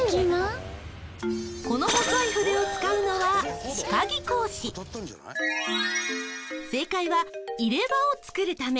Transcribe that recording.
この細い筆を使うのは正解は「入れ歯を作るため」。